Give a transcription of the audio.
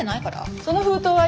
その封筒は今。